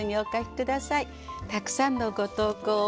たくさんのご投稿